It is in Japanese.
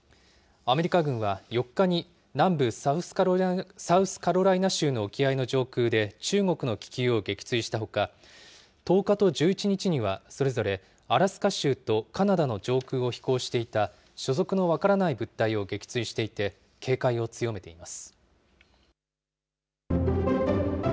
アメリカ軍は４日に南部サウスカロライナ州の沖合の上空で、中国の気球を撃墜したほか、１０日と１１日にはそれぞれアラスカ州とカナダの上空を飛行していた、所属の分からない物体を撃墜していて、警戒を強めています。